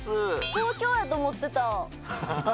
東京やと思ってた。